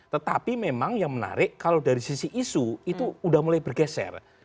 tetapi memang yang menarik kalau dari sisi isu itu sudah mulai bergeser